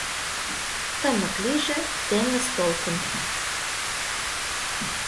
Тымык лийже теҥыз толкын